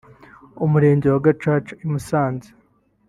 Umurenge wa Gacaca i Musanze